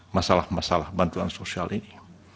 masalah masalah bantuan sosial ini